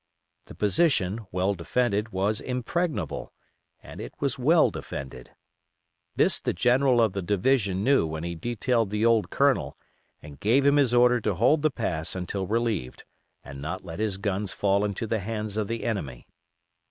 The position, well defended, was impregnable, and it was well defended. This the general of the division knew when he detailed the old Colonel and gave him his order to hold the pass until relieved, and not let his guns fall into the hands of the enemy.